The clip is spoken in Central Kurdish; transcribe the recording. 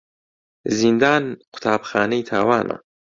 زیندان قوتابخانەی تاوانە.